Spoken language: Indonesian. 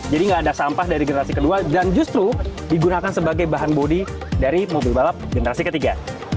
nggak ada sampah dari generasi kedua dan justru digunakan sebagai bahan bodi dari mobil balap generasi ketiga